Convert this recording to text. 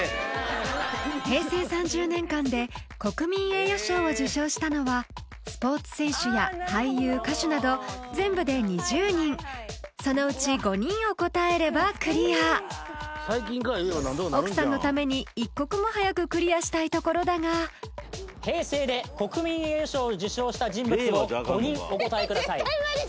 平成３０年間で国民栄誉賞を受賞したのはスポーツ選手や俳優歌手など全部で２０人そのうち５人を答えればクリア奥さんのために一刻も早くクリアしたいところだが平成で国民栄誉賞を受賞した人物を５人お答えください